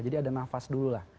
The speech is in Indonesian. jadi ada nafas dulu lah